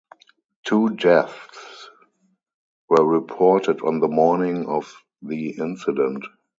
Two deaths were reported on the morning of the incident.